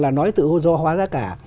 là nói tự do hóa giá cả